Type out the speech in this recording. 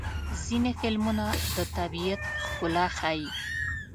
ځینې فلمونه د طبیعت ښکلا ښيي.